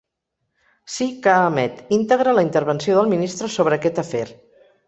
Sí que emet íntegra la intervenció del ministre sobre aquest afer.